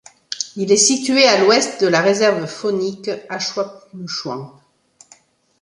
Il est situé à l'Ouest de la Réserve faunique Ashuapmushuan.